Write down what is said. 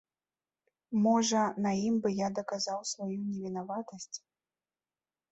Можа, на ім бы я даказаў сваю невінаватасць.